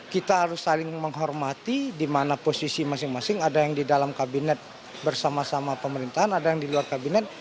kita harus saling menghormati di mana posisi masing masing ada yang di dalam kabinet bersama sama pemerintahan ada yang di luar kabinet